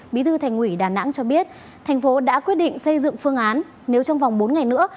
bí thư thành ủy đà nẵng cho biết thành phố đã quyết định xây dựng phương án nếu trong vòng bốn ngày nữa